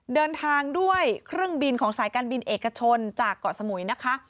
เดินทางด้วยเครื่องบินของสายการบินเอกชนจากเกาะสมุยนะคะ